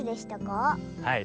はい。